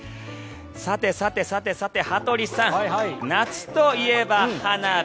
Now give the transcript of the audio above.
さてさてさて、羽鳥さん夏といえば花火。